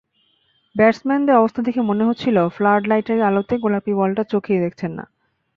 ব্যাটসম্যানদের অবস্থা দেখে মনে হচ্ছিল, ফ্লাডলাইটের আলোতে গোলাপি বলটা চোখেই দেখছেন না।